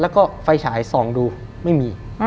แล้วก็ไฟฉายส่องดูไม่มี